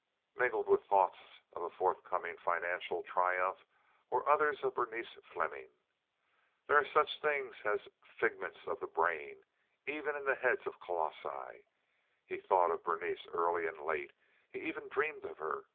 Mingled with thoughts of a forthcoming financial triumph were others of Berenice Fleming. There are such things as figments of the brain, even in the heads of colossi. He thought of Berenice early and late; he even dreamed of her.